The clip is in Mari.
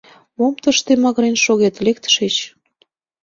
— Мом тыште магырен шогет, лек тышеч!